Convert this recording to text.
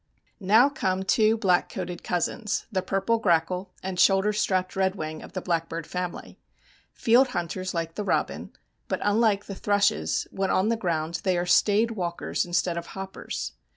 Now come two black coated cousins, the purple grackle and shoulder strapped redwing of the blackbird family. Field hunters like the robin, but unlike the thrushes, when on the ground they are staid walkers instead of hoppers.